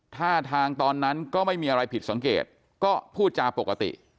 ท่าทางตอนนั้นก็ไม่มีอะไรผิดสังเกตก็พูดจาปกติ